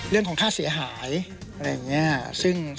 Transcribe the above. เรื่องของค่าเสียหายอะไรอย่างนี้